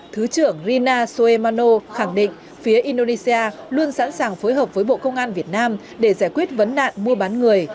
thứ trưởng rina soemano khẳng định phía indonesia luôn sẵn sàng phối hợp với bộ công an việt nam để giải quyết vấn nạn mua bán người